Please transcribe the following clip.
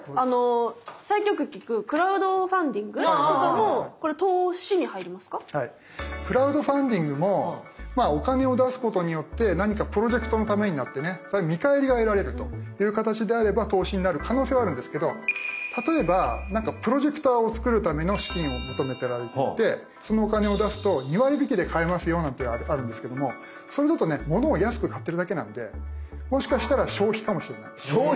最近よく聞くクラウドファンディングもお金を出すことによって何かプロジェクトのためになってね見返りが得られるという形であれば投資になる可能性はあるんですけど例えば何かプロジェクターを作るための資金を求めていてそのお金を出すと２割引きで買えますよなんていうのあるんですけどもそれだとね物を安く買ってるだけなんでもしかしたら消費かもしれない。